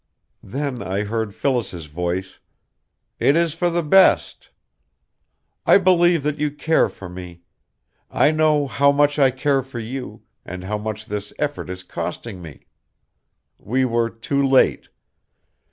Then I heard Phyllis's voice: "It is for the best." "I believe that you care for me. I know how much I care for you, and how much this effort is costing me. We were too late.